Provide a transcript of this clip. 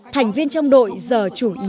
thành viên trong đội giờ chủ yếu